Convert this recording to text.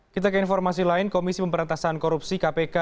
kita ke informasi lain komisi pemberantasan korupsi kpk